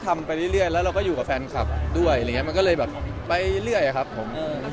มันไม่ได้เรื่องมันไม่ได้ความที่เชิญมองว่าเรื่องเบลอ